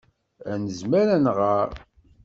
Ad nezmer ad nɣer.